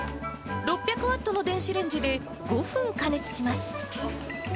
６００ワットの電子レンジで５分加熱します。